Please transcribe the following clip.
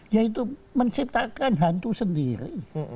yaitu menciptakan hantu sendiri